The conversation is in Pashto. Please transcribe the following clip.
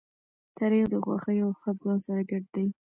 تاریخ د خوښۍ او خپګان سره ګډ دی.